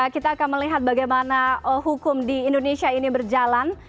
kita akan melihat bagaimana hukum di indonesia ini berjalan